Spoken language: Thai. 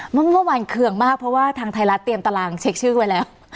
เมื่อวานเคืองมากเพราะว่าทางไทยรัฐเตรียมตารางเช็คชื่อไว้แล้ว